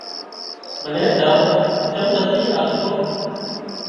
منين دعوت چم نٿي آلتو